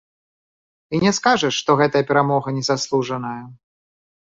І не скажаш, што гэтая перамога не заслужаная.